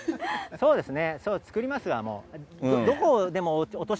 そうですよね。